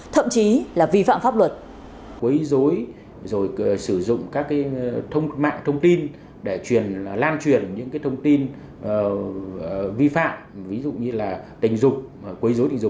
thậm chí có cả hành hung